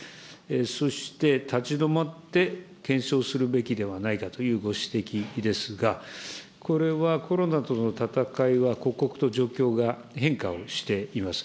そして、立ち止まって検証するべきではないかというご指摘ですが、これはコロナとの闘いは刻々と状況が変化をしています。